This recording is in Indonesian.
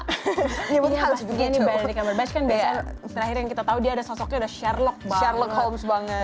iya pasti benedict cumberbatch kan biasanya setelah kita tahu dia ada sosoknya sherlock holmes banget